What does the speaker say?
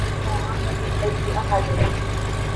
أنا لا أعمل لأي أحد.